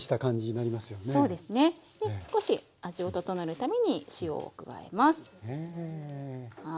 少し味を調えるために塩を加えます。